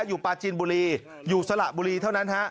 อยู่ปลาจินบุรีอยู่สระบุรีเท่านั้น